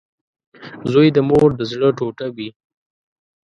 • زوی د مور د زړۀ ټوټه وي.